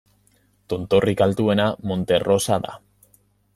Tontorrik altuena Monte Rosa da.